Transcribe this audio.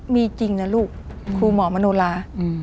มีจริงนะลูกครูหมอมโนลา